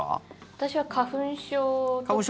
私は花粉症とか。